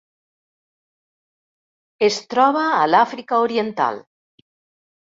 Es troba a l'Àfrica oriental.